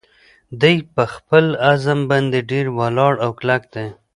دی په خپل عزم باندې ډېر ولاړ او کلک دی.